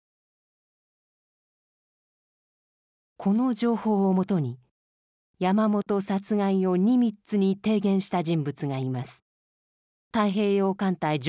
この情報を基に山本殺害をニミッツに提言した人物がいます。